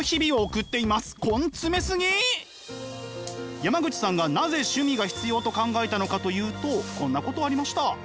山口さんがなぜ趣味が必要と考えたのかというとこんなことありました。